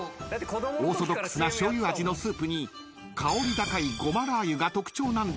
［オーソドックスなしょうゆ味のスープに香り高いごまラー油が特徴なんですが］